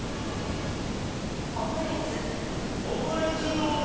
オムレツどうだ？